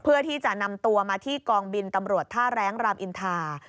เพื่อที่จะนำตัวมาที่กองบินตำรวจท่าแรงรามอินทา